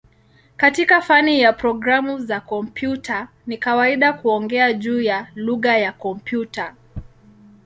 Katika fani ya programu za kompyuta ni kawaida kuongea juu ya "lugha ya kompyuta".